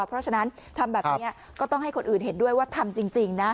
เพราะฉะนั้นทำแบบนี้ก็ต้องให้คนอื่นเห็นด้วยว่าทำจริงนะ